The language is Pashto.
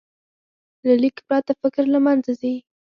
له لیک پرته، فکر له منځه ځي.